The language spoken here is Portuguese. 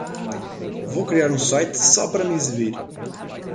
Vou criar um site só para me exibir!